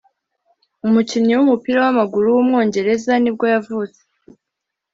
umukinnyi w’umupira w’amaguru w’umwongereza ni bwo yavutse